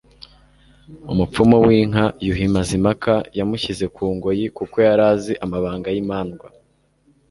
Umupfumu w'inka ,Yuhi Mazimpaka yamushyize ku ngoyi kuko yari azi amabanga y'imandwa